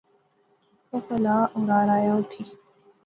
او کہلاہ اورار آیا اٹھی